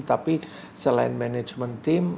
tapi selain management team